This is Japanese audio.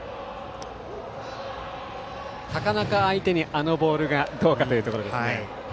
高中相手にあのボールがどうかというところです。